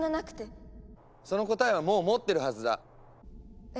その答えはもう持ってるはずだ。え？